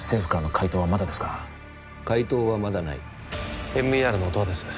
回答はまだないＭＥＲの音羽です